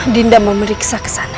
dinda memeriksa ke sana